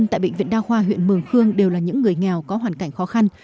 nhưng tại bệnh viện đa khoa huyện mường khương đều là những người nghèo có hoàn cảnh khó khăn